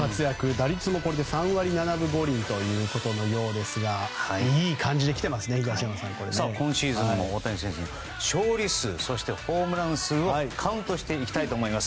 打率も３割７分５厘ということですが今シーズンも大谷選手の勝利数、そしてホームラン数をカウントしていきたいと思います。